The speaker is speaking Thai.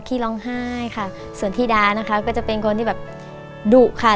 ขี้ร้องไห้ค่ะส่วนธิดานะคะก็จะเป็นคนที่แบบดุค่ะ